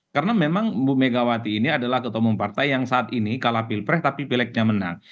karena memang mbak megawati ini adalah ketemu partai yang saat ini kalah pilpres tapi pileknya menang